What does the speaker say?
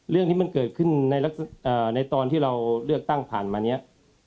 เรื่องที่มันเกิดขึ้นในตอนที่เราเลือกตั้งผ่านมาเนี่ย